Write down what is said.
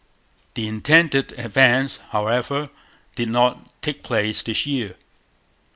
The intended advance, however, did not take place this year.